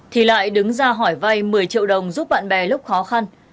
thì lại đứng ra hỏi vay một mươi triệu đồng giúp bạn bè lúc khó khăn